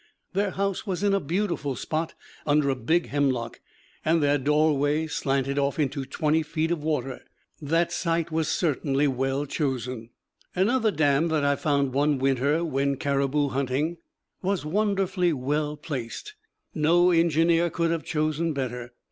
Their house was in a beautiful spot, under a big hemlock; and their doorway slanted off into twenty feet of water. That site was certainly well chosen. Another dam that I found one winter when caribou hunting was wonderfully well placed. No engineer could have chosen better.